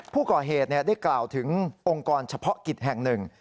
ผู้ก่อเหตุได้กล่าวถึงองค์กรเฉพาะกิจแห่งหนึ่ง